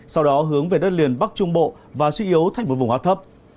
sau đó hướng về đất liền bắc trung bộ và suy yếu thách một vùng hóa thấp